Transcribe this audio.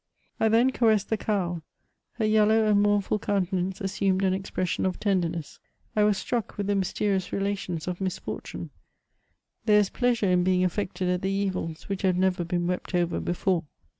I then caressed the cow ; her yellow and mournful countenance assumed an expression of tenderness ; I was struck with the mysterious relations of misfortune; there is a pleasure in heing affected at the evils which have never been wept over before.